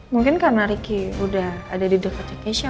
mungkin karena ricky udah ada di dekatnya keisha